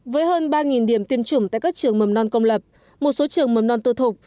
với hơn ba điểm tiêm chủng tại các trường mầm non công lập một số trường mầm non tư thục